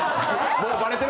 もうバレてる。